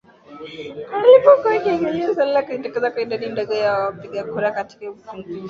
alipokuwa akiangazia suala la kujitokeza kwa idadi ndogo ya wapiga kura katika chaguzi mbalimbali